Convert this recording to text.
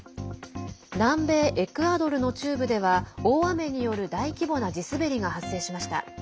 南米エクアドルの中部では大雨による大規模な地滑りが発生しました。